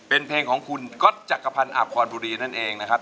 เป็นเพลงของคุณก๊อตจักรพันธ์อาพรบุรีนั่นเองนะครับ